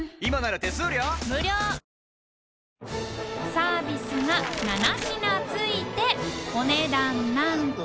サービスが７品付いてお値段なんと？